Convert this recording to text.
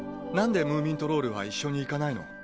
何でムーミントロールは一緒に行かないの？